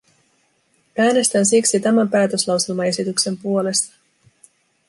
Äänestän siksi tämän päätöslauselmaesityksen puolesta.